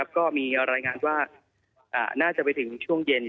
ก็มีรายงานว่าน่าจะไปถึงช่วงเย็น